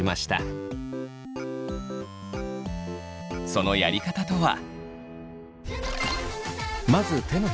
そのやり方とは。